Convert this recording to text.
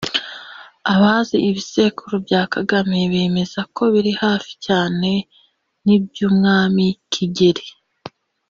Abazi ibisekuru bya Kagame bemeza ko biri hafi cyane n’iby’umwami Kigeli